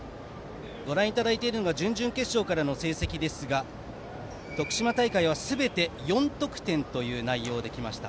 ご覧いただいているのは準々決勝からの成績ですが徳島大会はすべて４得点という内容で来ました。